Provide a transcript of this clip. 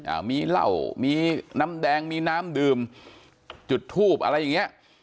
อ่ามีเหล้ามีน้ำแดงมีน้ำดื่มจุดทูบอะไรอย่างเงี้ย